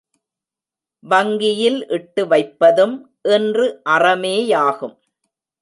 வங்கியில் இட்டு வைப்பதும் இன்று அறமேயாகும்.